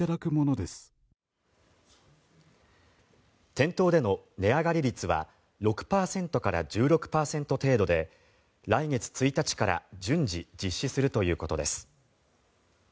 店頭での値上がり率は６％から１６％程度で来月１日から順次実施するということです。